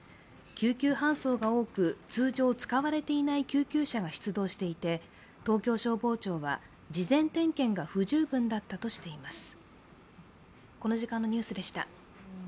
救急搬送が多く、通常使われていない救急車が出動していて、東京消防庁は事前点検が不十分だったとしています。